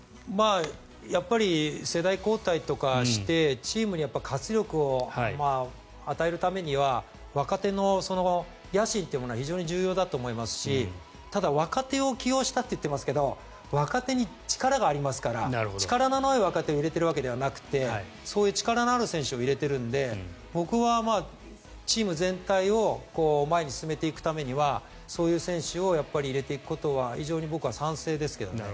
やっぱり世代交代とかしてチームに活力を与えるためには若手の野心というものが非常に重要だと思いますしただ若手を起用したと言ってますけど若手に力がありますから力のない若手を入れているわけではなくてそういう力のある選手を入れているので僕はチーム全体を前に進めていくためにはそういう選手を入れていくことは非常に僕は賛成ですけどね。